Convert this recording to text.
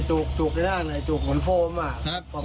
จุกได้ด้านจุกเหมือนโฟม